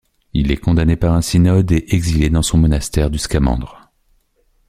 Il est condamné par un synode et exilé dans son monastère du Skamandre.